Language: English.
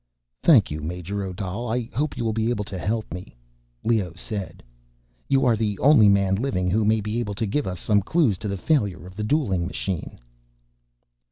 "Thank you, Major Odal; I hope you will be able to help me," said Leoh. "You are the only man living who may be able to give us some clues to the failure of the Dueling Machine."